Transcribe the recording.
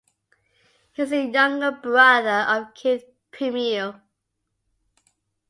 He is the younger brother of Keith Primeau.